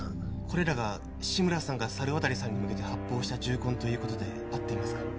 これらが志村さんが猿渡さんに向けて発砲した銃痕ということで合っていますか？